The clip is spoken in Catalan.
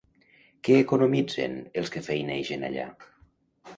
Què economitzen els que feinegen allà?